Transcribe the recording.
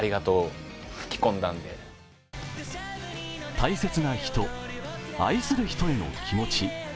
大切な人、愛する人への気持ち。